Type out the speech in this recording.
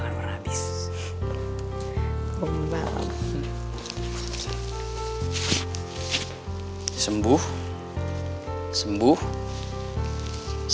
yang cengguhi untuk ikut